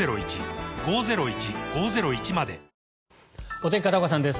お天気、片岡さんです。